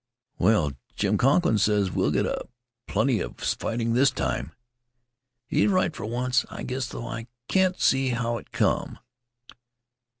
"Well, Jim Conklin says we'll get a plenty of fighting this time." "He's right for once, I guess, though I can't see how it come.